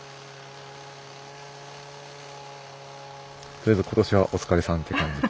とりあえず今年はお疲れさんっていう感じ。